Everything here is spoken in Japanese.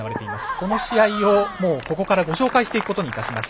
この試合を、ここからご紹介していくことにいたします。